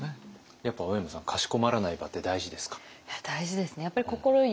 やっぱ青山さんかしこまらない場って大事ですか？